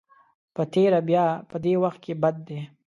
په تېره بیا په دې وخت کې بد دی.